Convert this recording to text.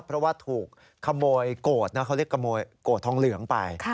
เพราะว่าถูกขโมยโกรธนะเขาเรียกขโมยโกรธทองเหลืองไป